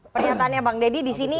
pernyataannya bang deddy di sini